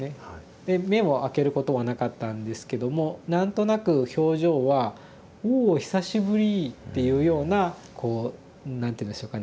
で目をあけることはなかったんですけども何となく表情は「おお久しぶり」っていうようなこう何て言うんでしょうかね